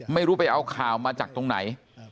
ไม่รู้ไปเอาข่าวมาจากตรงไหน